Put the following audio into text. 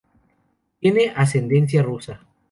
Tiene ascendencia rusa.